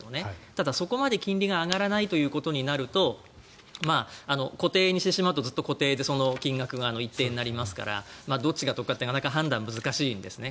ただ、そこまで金利が上がらないということになると固定にしてしまうとずっと固定のままで金額が一定になりますからどっちが得かというのはなかなか判断が難しいんですね。